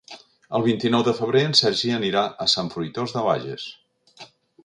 El vint-i-nou de febrer en Sergi anirà a Sant Fruitós de Bages.